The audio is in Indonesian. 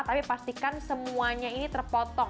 tapi pastikan semuanya ini terpotong